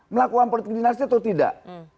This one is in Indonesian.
melakukan politik dinasti atau tidak